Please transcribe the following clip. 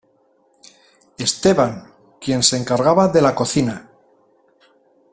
Esteban, quien se encargaba de la cocina.